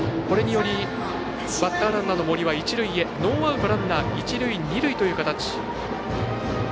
これによりバッターランナーの森は一塁へノーアウト、ランナー一塁二塁という形。